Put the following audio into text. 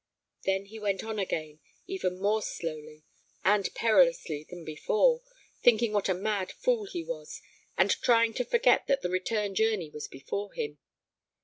Then he went on again, even more slowly and perilously than before, thinking what a mad fool he was, and trying to forget that the return journey was before him.